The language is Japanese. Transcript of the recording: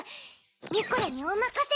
ニコラにおまかせ！